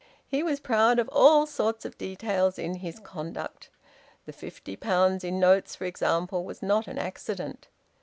He was proud of all sorts of details in his conduct. The fifty pounds in notes, for example, was not an accident.